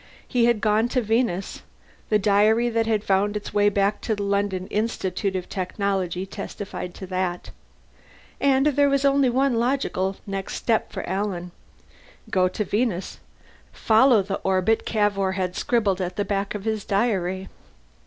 He had gone to Venus; the diary that had found its way back to the London Institute of Technology testified to that. And there was only one logical next step for Alan. Go to Venus. Follow the orbit Cavour had scribbled at the back of his diary.